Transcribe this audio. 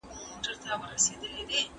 که څوک خپله ميرمن په حيض کي طلاقه کړي.